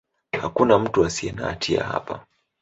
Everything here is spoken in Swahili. Hakuna mtu asiye na hatia hapa.